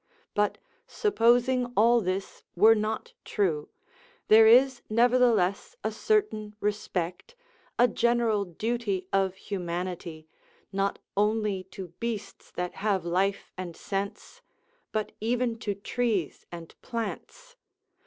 But supposing all this were not true, there is nevertheless a certain respect, a general duty of humanity, not only to beasts that have life and sense, but even to trees, and plants.